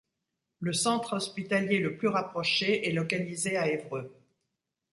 Le centre hospitalier le plus rapproché est localisé à Évreux.